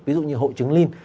ví dụ như hội chứng linh